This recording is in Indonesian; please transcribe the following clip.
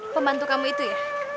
pemantu kamu itu ya